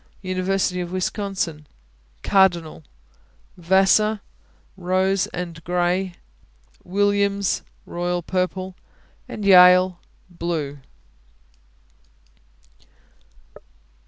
University of Wisconsin Cardinal. Vassar Rose and gray. Williams Royal purple. Yale Blue.